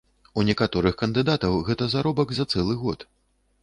У некаторых кандыдатаў гэта заробак за цэлы год.